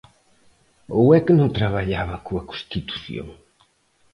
¿Ou é que non traballaba coa Constitución?